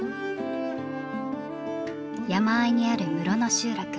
山あいにある室野集落。